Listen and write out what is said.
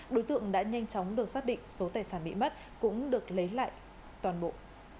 đối tượng đã nhanh chóng được xác định số tài sản bị mất cũng được lấy lại toàn bộ